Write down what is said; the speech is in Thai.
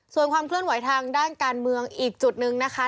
ส่วนความเคลื่อนไหวทางด้านการเมืองอีกจุดนึงนะคะ